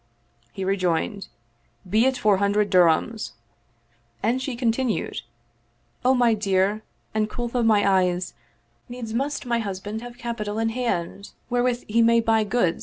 He rejoined, " Be it four hundred dirhams." And she con tinued, " O my dear and O coolth of mine eyes, needs must my husband have capital in hand, wherewith he may buy 39 ^Mi.